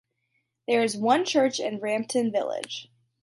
There is one church in Rampton village.